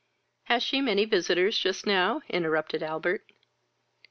"Has she many visitors just now?" interrupted Albert.